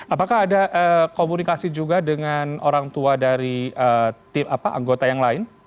apakah ada komunikasi juga dengan orang tua dari anggota yang lain